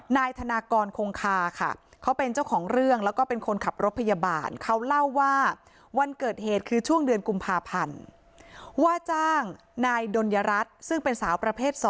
นายธนากรคงคาค่ะเขาเป็นเจ้าของเรื่องแล้วก็เป็นคนขับรถพยาบาลเขาเล่าว่าวันเกิดเหตุคือช่วงเดือนกุมภาพันธ์ว่าจ้างนายดนยรัฐซึ่งเป็นสาวประเภท๒